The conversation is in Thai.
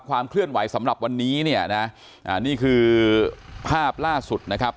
ความเคลื่อนไหวสำหรับวันนี้เนี่ยนะนี่คือภาพล่าสุดนะครับ